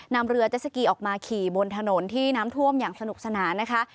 นำเรือเจสสกีออกมาขี่บนถนนที่น้ำท่วมอย่างสนุกสนานนะคะ